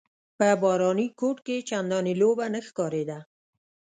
په باراني کوټ کې چنداني لویه نه ښکارېده.